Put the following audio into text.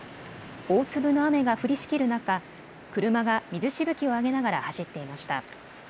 大粒の雨が降りしきる中、車が水しぶきを上げながら走っていました。